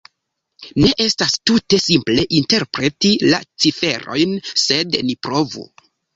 Ne estas tute simple interpreti la ciferojn, sed ni provu.